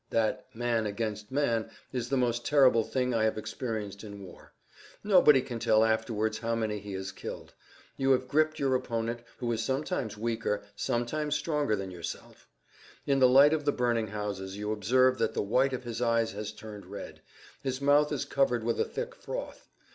That "man against man" is the most terrible thing I have experienced in war. Nobody can tell afterwards how many he has killed. You have gripped your opponent, who is sometimes weaker, sometimes stronger than yourself. In the light of the burning houses you observe that the white of his eyes has turned red; his mouth is covered with a thick froth.